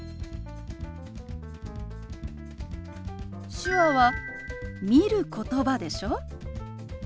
手話は見る言葉でしょ？